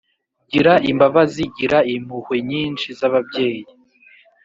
Gira imbabazi gira impuhwe nyinshi z’ababyeyi